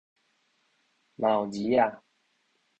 毛兒仔